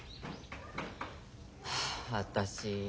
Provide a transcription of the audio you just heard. はあ私